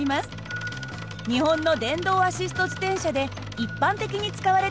日本の電動アシスト自転車で一般的に使われている方式です。